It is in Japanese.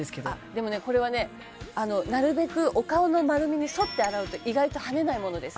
「でもねこれはねなるべくお顔の丸みに沿って洗うと意外と跳ねないものです」